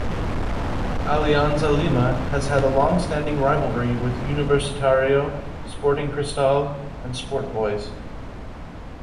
Alianza Lima has had a long-standing rivalry with Universitario, Sporting Cristal, and Sport Boys.